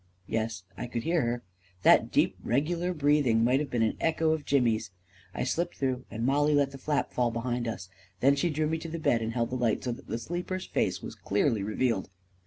Yes, I could hear her — that deep, regular breath ing might have been an echo of Jimmy's. I slipped through, and Mollie let the flap fall behind us. Then she drew me to the bed, and held the light so that the sleeper's face was clearly revealed.